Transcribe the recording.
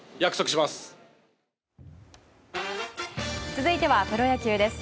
続いてはプロ野球です。